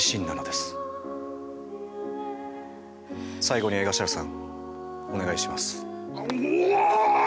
最後に江頭さんお願いします。